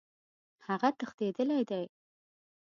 هغه تښتېدلی دی.